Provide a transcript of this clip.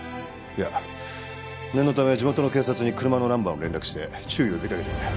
いや念のため地元の警察に車のナンバーを連絡して注意を呼びかけてくれ。